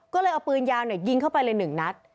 ก็เลยเอาปืนยาวยิงเข้าไปเลย๑นัด